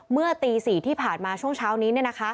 เมื่อตี๔ที่ผ่านมาช่วงเช้านี้